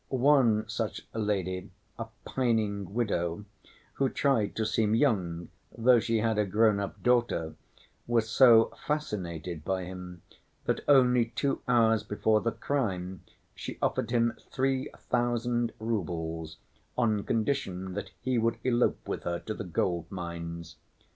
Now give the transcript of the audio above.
One such lady, a pining widow, who tried to seem young though she had a grown‐up daughter, was so fascinated by him that only two hours before the crime she offered him three thousand roubles, on condition that he would elope with her to the gold mines.